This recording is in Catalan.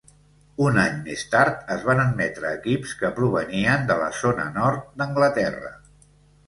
Un any més tard es van admetre equips que provenien de la zona nord d'Anglaterra.